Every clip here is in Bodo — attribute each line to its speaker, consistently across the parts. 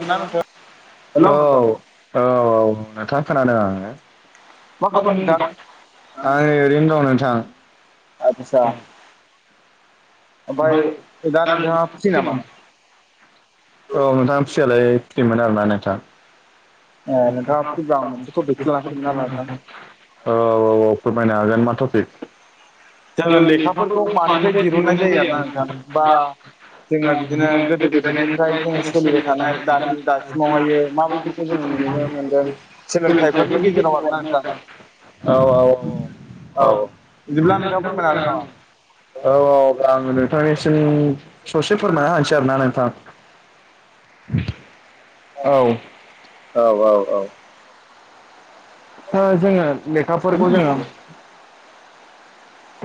Speaker 1: ना नोंथां? हेलौ
Speaker 2: औ
Speaker 1: नोंथां
Speaker 2: औ नोंथाङा खोनादों आङो
Speaker 1: मा खालामदों नोंथां?
Speaker 2: आं ओरैनो दं
Speaker 1: आदसा
Speaker 2: नोंथां
Speaker 1: ओमफ्राय
Speaker 2: ग
Speaker 1: दा नोंथाङा फ्रि नामा?
Speaker 2: न [unintelligible] औ नोंथाङा फिसियालाय फियोमोन आरो ना नोंथां।
Speaker 1: ए नोंथाङा फ्रिबा आं
Speaker 2: बथ
Speaker 1: मोनसे टपिकसो लाना फैदोंमोन आरो
Speaker 2: न
Speaker 1: नोंथां।
Speaker 2: [unintelligible] औ औ औ फोरमायनो हागोन मा तफिक?
Speaker 1: जोङो लेखाफोरखौ मानिफ्राय दहुननाय जायो आरो ना नोंथां बा जोङो बिदिनो गोदो गोदायनिफ्राय जोङो सोलिबाय थानाय दानि दासिमावहाय माबायदि जोङो नुनो मोनदों सोलोंथाइफोरनि गेजेराव आरोना नोंथां।
Speaker 2: औ औ औ
Speaker 1: बिदिब्ला नोंथाङा फोरमायनो हागोन नामा?
Speaker 2: औ औ आङो नोंथांनिसिम ससे फोरमायना हसै आरो ना नोंथां। औ
Speaker 1: औ औ औ
Speaker 2: ओ जोङो लेखाफोरखौ जोङो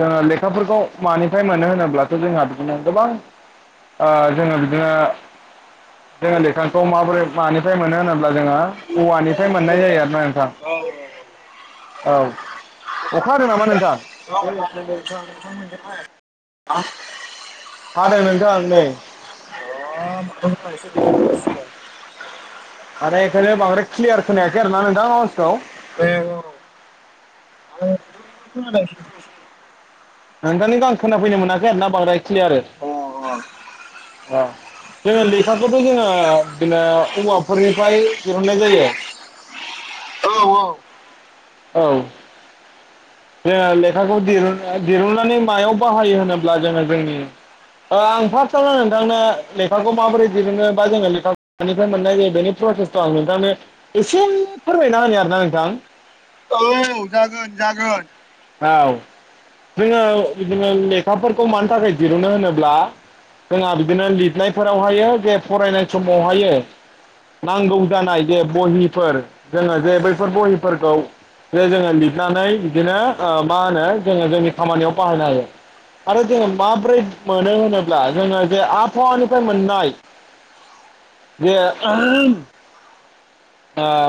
Speaker 2: ओ लेखाफोरखौ मानिफ्राय मोनो होनोब्लाथ' जोंहा बिदिनो गोबां ओ जोङो बिदिनो जोङो लेखांखौ माबोरै मानिफ्राय मोनो होनोब्ला जोङो औवानिफ्राय मोननाय जायो आरो ना नोंथां। औ अखा ह नामा नोंथां?
Speaker 1: औ हादों नोंथां
Speaker 2: हादों
Speaker 1: नोंथांमोननिथिं
Speaker 2: नोंथां नै
Speaker 1: हायाखै अ माथ [unintelligible]
Speaker 2: माने बेखायनो बांद्राय क्लियार खोनायाखै आरो ना नोंथां आवाजखौ।
Speaker 1: द [unintelligible] आ [unintelligible] य
Speaker 2: नोंथांनिखौ आं खोनाफैनो मोनाखै ना बांद्राय क्लियार ओ जोङो लेखाखौथ' जोङो बिनो औवाफोरनिफ्राय दिहुननाय जायो। औ जोङो लेखाखौ दिरुन दिरुननानै मायाव बाहायो होनोब्ला जोङो जोंनि आं फार्स्टआवनो नोंथांनो लेखाखौ माबोरै बा जोङो लेखाफ्राय मोननाय जायो बेनि प्रसेसखौ' आं नोंथांनो एसे फोरमायना होनो आरो ना नोंथां
Speaker 1: औ जागोन जागोन।
Speaker 2: औ जोङो -जोङो लेखाफोरखौ मानि थाखाय दिरुनो होनोब्ला जोंहा बिनो लिरनायफोरावहायो जे फरायनाय समावहायो- नांगौ जानाय जे बहिफोर जोङो जे बैफोर बहिफोरखौ जोङो लिरनानै बिदिनो मा होनो जोङो जोंनि खामानियाव बाहायनो हायो आरो जोङो माब्रै मोनो होनोब्ला जोङो जे आबहावानिफ्राय मोननाय बे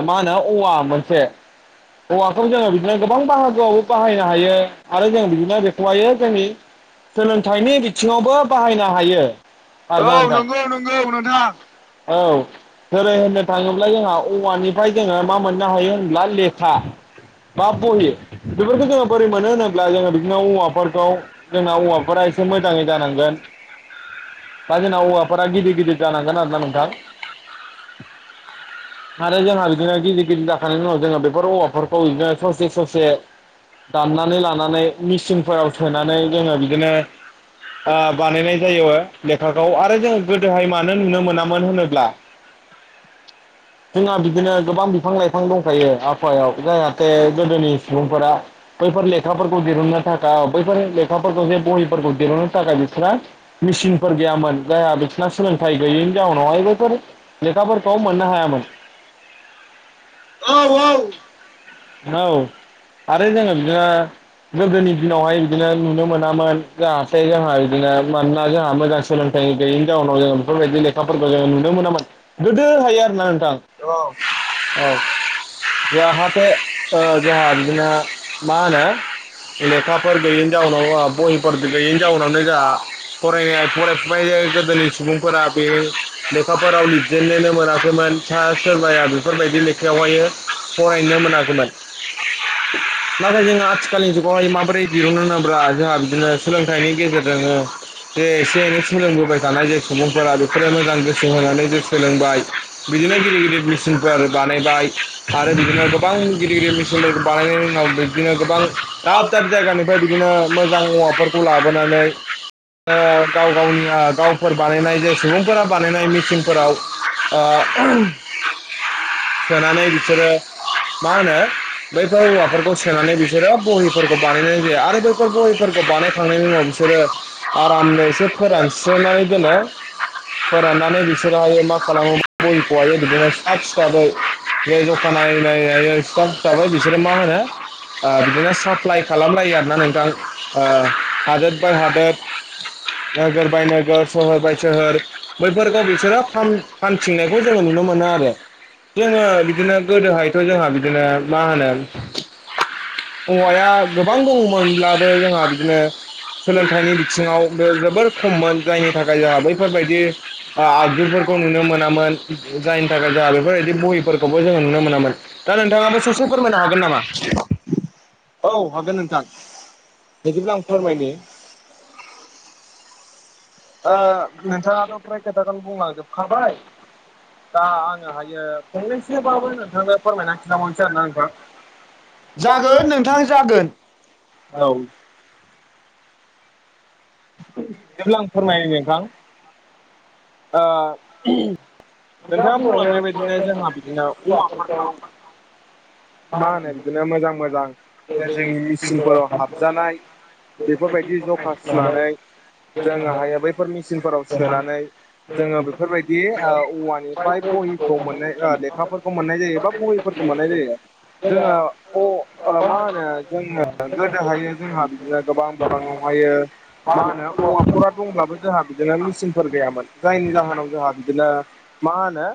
Speaker 2: मा होनो औवा मोनसे औवाखौ जोङो बिदिनो गोबां बाहागो बो बाहायनो हायो आरो जों बिदिनो बेखौहायो जोंनि सोलोंथाइनि बिथिङावबो बाहायनो हायो।
Speaker 1: औ
Speaker 2: आरोना नोंथां
Speaker 1: नंगौ नंगौ नोंथां
Speaker 2: औ जेरै होननो थाङोब्ला जोंहा औवानिफ्राय जोङो मा मोननो हायो होनब्ला लेखा बा बहि बेफोरखौ जोङो बोरै मोनो होनोबा जोङो बिदिनो औवा‌फोरखौ जोंना हौवाफोरा एसे मोजाङै जानांगोन दा जोंना औवाफोरा गिदिर गिदिर जानांगोन आरोना नोंथां। आरो जोंहा बिदिनो गिदिर गिदिर जाखानायनायनि उनाव जोंहा बेफोर औवाफोरखौ बिदिनो ससे ससे दाननानै लानानै मेसिनफोराव सोनानै जोङो बिदिनो बानायनाय जायो लेखाखौ आरो जों गोदोहाय मानो नुनो मोनामोन होनोब्ला
Speaker 1: लांदां
Speaker 2: जोंहा बिदिनो गोबां बिफां लाइफां दंखायो आबहावायाव जाहाथे गोदोनि सुबुंफोरा बैफोर लेखाफोरखौ दिहुननो थाखाय बैफोर लेखाफोरखौ जे बहिफोरखौ दिहुननो थाखाय बिसोरो मेसिनफोर गैयामोन जायहा बिसोरना सोलोंथाइ गैयिनि जाउनावहाय बेफोर
Speaker 1: साइड नयस
Speaker 2: औ औ आरो जोङो बिदिनो गोदोनि दिनावहाय बिदिनो नुनो मोनामोन जाहाथे जोंहा बिदिनो मानोना जोंहा मोजां सोलोंथाइ गैयिनि जाउनाव जोङो बेफोरबायदि लेखा नफोरखौ जोङो नुनो मोनामोन गोदो हायो आरो ना नोंथां औ औ जाहाथे ओ जोंहा जोंहा मा होनो लेखाफोर गैयिनि जाउनाव बहिफोर गैयिनि जाउनावनो जोंहा फरायनाय फरायफुबाय जायो गोदोनि सुबुंफोरा बे लेखाफोराव लिरजेननोनो मोनाखैमोन सा सोरबाया बेफोरबायदि लेखायावहायो फरायनो मोनाखैमोन
Speaker 1: लांदां
Speaker 2: नाथाय जोङो आथिखालनि जुगावहाय माबोरै दहुनो होनोब्ला जोंहा बिदिनो सोलोंथाइनि गेजेरजोंनो जे एसे एनै सोलोंबोबाय थानाय जे सुबुंफोरा बेफोरो मोजां गोसो होनानै जे सोलोंबाय बिदिनो गिदिर गिदिर मेसिनफोर बानायबाय आरो बिदिनो गोबां गिदिर गिदिर मेसिनफोरखौ बानायनायनि उनाव बिदिनो गोबां दाब दाब जायगानिफ्राय बिदिनो मोजां औवाफोरखौ लाबोनानै गाव गावनि गावफोर बानायनाय जे सुबुंफोरा बानायनाय मिसिनफोराव ओ सोनानै बिसोरो मा होनो बैफोर औवाफोरखौ सोनानै बिसोरो बहिफोरखौ बानायनाय जायो आरो बैफोर बहिफोरखौ बानायखांनायनि उनाव बिसोरो आरामनोसे फोरानस्रोनानै दोनो फोराननानै बिसोरहायो मा खालामो बहिखौहायो बिदिनो सा हिसाबै जे जखा नायै नायै सिथाब सिथाबै बिसोरो मा होनो बिदिनो साप्लाइ खालामलायो आरोना नोंथां हादोद बाय हादोद नोगोर बाय नोगोर सोहोर बाय सहोर बैफोरखौ बिसोरो फानथिंनायखौ जोङो नुनो मोनो आरो जोङो बिदिनो गोदोहायथ' जोंहा बिदिनो मा होनो
Speaker 1: लांदां
Speaker 2: औवाया गोबां दङमोनब्लाबो जोंहा बिदिनो सोलोंथाइनि बिथिङाव बे जोबोर खममोन जायनि थाखाय जोंहा बैफोरबायदि आगजुफोरखौ नुनो मोनामोन जायनि थाखाय जोंहा बेफोरबायदि बहिफोरखौबो जोङो नुनो मोनामोन। दा नोंथाङाबो ससे फोरमायनो हागोन नामा? औ हागोन
Speaker 1: बिदिब्ला आं फोरमायनो नोंथाङाथ' फ्राय खोथाखौल बुंलांजोबखाबाय दा आङो हायो फंनैसो बाबो नोंथांनो फोरमायनानै खिन्थ हरसै आरो ना आंखौ
Speaker 2: जागोन नोंथां जागोन
Speaker 1: औ जेब्ला आं फोरमायो नोंथां नोंथाङा बुंलांनाय बायदिनो जोंहा बिदिनो औवा फोरखौ मा होनो बिदिनो मोजां मोजां जोंनि मेचिनफोराव हाबजानाय बेफोरबायदि जखा सुनानै जोङोहायो बैफोर मेचिनफोराव सोनानै जोङो बेफोरबायदि औवानिफ्राय बहिखौ मोननाय लेखाफोरखौ मोननाय जायोबा बहि फोरखौ मोनानाय जायो। जोङो मा होनो जोङो गोदोहाय जोंहा बिदिनो गोबां बिबानावहायो मा होनो औवाफोरा दंब्लाबो जोंहा बिदिनो मेसिनफोर गैयामोन जायनि जाहोनाव जोंहा बिदिनो मा होनो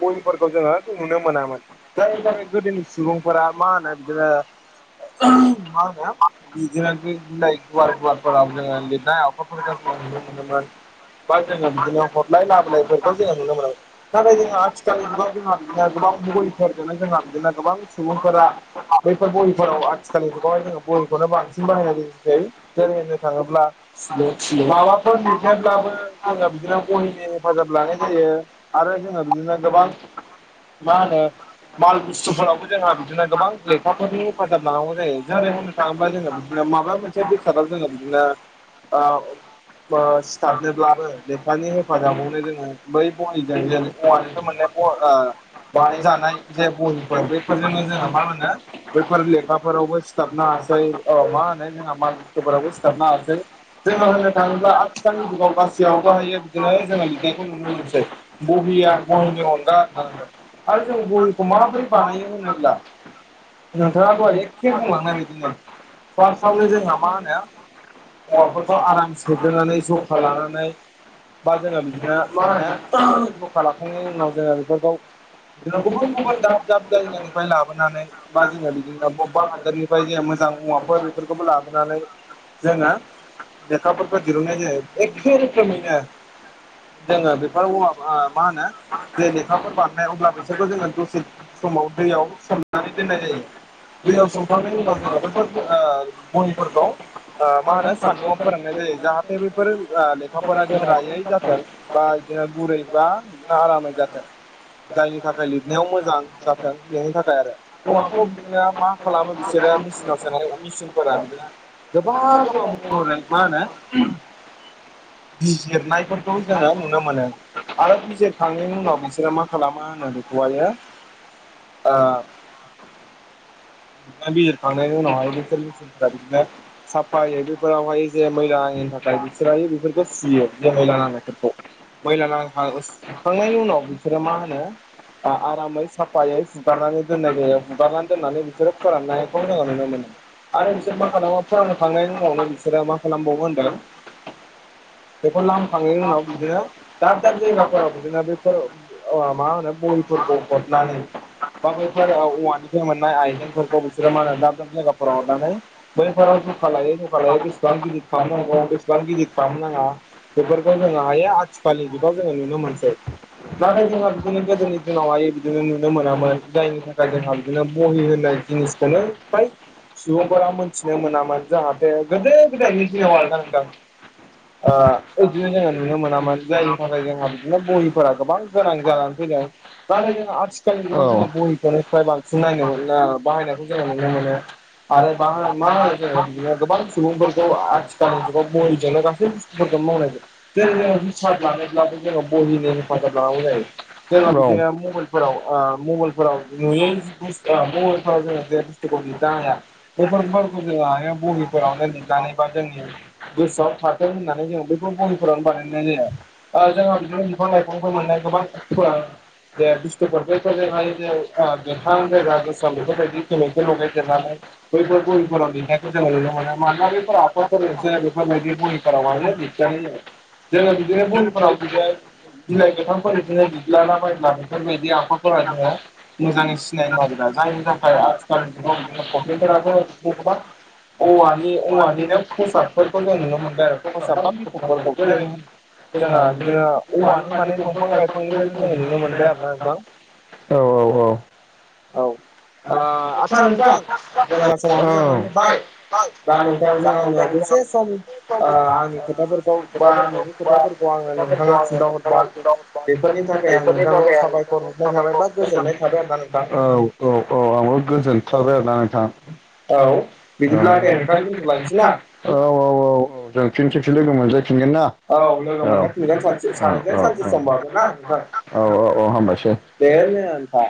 Speaker 1: बयफोरखौ जोङो नुनो मोनामोन जायनि थाखाय गोदोनि सुबुंफोरा मा होनो बिदिनो मााना बिदिना लायक बार अफोर मोन मोन बास ज बिदिनो हरलाय लाबोलाय ज नाथाय जोंहा आथिखालनि जुगाव जोंहा बिदिनो गोबां मबाइलफोरजों जोंहा गोबां सुबुंफोरा बैफोर बहफोराव आथिखालनि जुगावहाय जोङो बहिखौनो बांसिन बाहायनाय जायो। जेरै होननो थाङोब्ला माबाफोर लिरनोब्लाबो जोङो बिदिनो गहनि हेफाजाब लानाय जायो आरो जोङो बिदिनो गोबां मा होनो माल बुसतु सथु फोरावबो जोंहा बिदिनो गोबां लेखाफोरनि हेफाजाब लानांगौ जायो जेरै होननो थाङोब्ला जोङो बिदिनो माबा मोनसे से बेसादा जोङो बिदिनो सिथाबनोब्लाबो बेेफानि हेफाजाबावनो जोङो बै जायो औवानिफ्राय मोने बानायजानाय जे बय बैफोरजोंनो जोंहा मा होनो बैफोर लेखाफोरावबो सिथाबनो हासै मा होनो बार'बस जोङो होननो थाङोब्ला आथिखालनि जुगाव गासैयावबो हायो बिदिनो जोङो लिरनायखौ नुनो मोनसै बहिया बहिनि अनगा होननादों आरो जों बहिखौ माबोरै बानायो होनोब्ला नोंथाङा दहाय एखे बुंलांनाय बिदिनो फार्स्टआवनो जोंहा मा होनो हौवाफोरखौ आराम सोग्रोनानै जखा लानानै बा जोङो बिदिनो मा होनो जखा लाखांनायनि उनाव जोङो बेफोरखौ बिदिनो गुबुन गुबुन दाब दाब जायगानिफ्राय लाबोनानै बा जोङो बिदिनो बबेबा हादरनि बे बायदि मोजां औवाफोर बेफोरखौबो लाबोनानै जोङो लेखाफोरखौ दहुननाय जायो एखे रोखोमैनो जोङो बेफोर औ मा होनो जे लेखाफोर बारनाय अब्ला बिसोरखौ जोङो दसे समाव दैयाव सोमनानै दोननाय जायो दैयाव संखांनायनि उनाव जोङो बैफोर बहिफोरखौ मा होनो सान्दुङाव फोरोंनाय जायो जाहाथे बेफोर लेखाफोरा गोरायै जाथों बा बिदिनो गुरैबा बिदिनो आरामै जाथों जायनि थाखाय लिरनायाव मोजां जाथों बेनि थाखाय आरो औवाखौ बिदिनो मा खालामो बिसोरो मेसिनाव सोनाय मेसिन [unintelligible] ब गोबा गब मान बिजिरनायफोरखौ जोङो नुनो मोनो आरो बिजिरखांनायनि उनाव बिसोरो मा खालामो होनो [unintelligible] बिजिरखांनायनिनायनि उनावहाय साफायै बेफोरावहाय जे मैला नि थाखाय बिसोरायो बेफोरखौ फुयो जे मैला नांनायफोरखौ। मैला नां सुखांनायनि उनाव बिसोरो मा होनो ओ आरामै सा फायै हुगारनानै दोनाय जायो हुगारनानै दोननानै बिसोरो फोराननायखौ जोङो नुनो मोनो आरो बिसोर मा खालामो फोरानखांनायनि उनावनो बिसोरो मा खालामबावो होनदों बेफोर लामखांनायनि उनाव बिदिनो दाब दाब जायगाफोराव बिदिनो बेफोर मा होनो बहि फोरखौ हरनानै बा बैफोर औवानिफ्राय मोननाय आइजेंफोरखौ बिसोरो मा होनो दाब दाब जायगाफोराव हरनानै बैफोराव जखा लायै जखा लायै बेसेबां गिदिर खालामनांगौ बेसेबां गिदिर खालामनाङा बेफोरखौ जोंङो हायो आथिखालनि जुगाव जोंङो नुनो मोनसै। नाथाय जोंहा बिदिनो गोदोनि दिनावहाय बिदिनो नुनो मोनामोन जायनि थाखाय जोंहा बिदिनो बहि होननाय जिनिसखौनो फ्राय सुबुंफोरा मिथिनो मोनामोन जाहाथे गोदो गोदायनि दिनाव आरोना नोंथां। ओ बिदिनो जोंङो नुनो मोनामोन जायनि थाखाय जोंहा बिदिनो बहिफोरा गोबां गोनां जानानै फैदों। नाथाय जों आ थिखालनि जुगाव जोंङो बहिखौनो फाय बांसिन नायनो मोनो बाहायनायखौ जोंङो नुनो मोनो आरो बाय जोंङो बिदिनो गोबां सुबुंफोरखौ आथिखालनि जुगाव बहिजोंनो गासै बुस्थुफोरखौनो मावनायजायो। जेरै जोंङो हिसाब लानोब्लाबो जोंङो बहिनो हेफाजाब लानांगौ जायो। जोंहा बिदिनो मबाइलफोराव ओ मबाइलफोराव नुयै जि बुु मबाइलफोराव जोंङो जे बुस्थुखौ [unintelligible] थानो हाया बे ब [unintelligible] [unintelligible] बहिफोरावनो लिरनानै बा जोंनि गोसोआव थाथों होननानै जों बहिफोरावनो बानायनाय जाया ओ जोंहा बिदिनो बिफां लाइफांफोर मोननाय गोबां ओ गोथां
Speaker 2: बे
Speaker 1: गोजा गोसोम बेफोरबायदि केमिकेल लगायदेरनानै
Speaker 2: [unintelligible]
Speaker 1: बैफोर बहिफोराव लिरनायखौ जोङो नुनो मोनो मानोना बैफोर
Speaker 2: [unintelligible]
Speaker 1: आखरफोरजोंसो बेफोरबायदि बहिफोराव माने लिरजानाय जायो
Speaker 2: [unintelligible] जोंङो बिदिनो दैफ्राव बिदिनो बिलाइ गोथांफोर बिदिनो बिग्लाना बाया बेफोरबायदि आब
Speaker 1: मोजाङै सिनायनो नागिरा जायनि थाखाय आथिखालनि जुगाव बिदिनो फावथेनफोराबो बिदिनो गोबां
Speaker 2: [unintelligible] [unintelligible]
Speaker 1: औवानि औवानिनो खसाबफोरखौ जों नुनो मोनबाय आरो
Speaker 2: औवानि
Speaker 1: खसाब बा बिखबफोरखौ जेरै जोंहा बिदिनो
Speaker 2: [unintelligible]
Speaker 1: औवानि माने दंफां लाइफांनिफ्रायबो जोङो नुनो मोनबाय आरोना नोंथां
Speaker 2: [unintelligible] औ औ औ
Speaker 1: औ
Speaker 2: आथसा
Speaker 1: आदसा जोंहा
Speaker 2: नोंथां औ।
Speaker 1: समाबो जानानै फैबाय दा नोंथांजों आङो दसे सम ओ आंनि खोथाफोरखौ बा नोंनि खोथाफोरखौ आंनो नोंथाङा खिन्थाहरबाय बेफोरनि थाखाय आं नोंथांखौ साबायखर
Speaker 2: [unintelligible] [unintelligible]
Speaker 1: हरनाय थाबाय बा गोजोननाय थाबाय
Speaker 2: साबायखर
Speaker 1: आरोना नोंथां
Speaker 2: [unintelligible] औ औ औ आंबो गोजोनथारबाय आरोना नोंथां। औ औ
Speaker 1: बिदिब्ला दे
Speaker 2: [unintelligible]
Speaker 1: नोंथां
Speaker 2: औ
Speaker 1: दोनथ'लायनोसै ना
Speaker 2: औ औ। फिन खेबसे लोगो मोनजायफिनगोन
Speaker 1: औ
Speaker 2: ना
Speaker 1: लोगो
Speaker 2: औ
Speaker 1: मोनलायफिनगोन सानसे
Speaker 2: [unintelligible]
Speaker 1: सानैजों
Speaker 2: औ
Speaker 1: सानसे समबाबो
Speaker 2: औ औ औ हामबायसै।
Speaker 1: देनो आनथा